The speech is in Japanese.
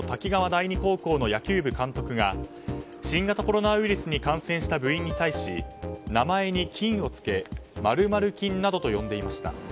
第二高校の野球部監督が新型コロナウイルスに感染した部員に対し名前に「菌」をつけ○○菌などと呼んでいました。